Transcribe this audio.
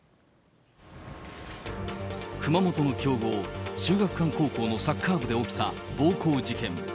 熊本の強豪、秀岳館高校のサッカー部で起きた暴行事件。